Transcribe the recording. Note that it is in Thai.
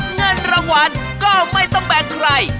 เงินรางวัลก็ไม่ต้องแบ่งใคร